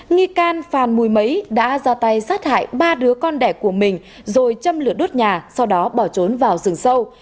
nghi can phàn mùi mấy đã ra tay sát hại ba đứa con đẻ của mình rồi châm lửa đốt nhà sau đó bỏ trốn vào rừng sâu